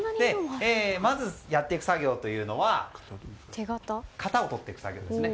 まずやっていく作業は型を取っていく作業ですね。